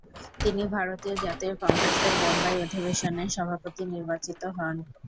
তিনি ভারতীয় জাতীয় কংগ্রেসের বোম্বাই অধিবেশনে সভাপতি নির্বাচিত হন।